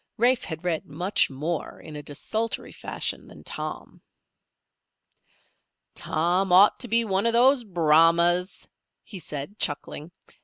Rafe had read much more in a desultory fashion than Tom. "Tom ought to be one of those Brahmas," he said, chuckling.